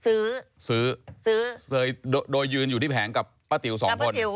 ซื้อซื้อโดยยืนอยู่ที่แผงกับป้าติ๋วสองคน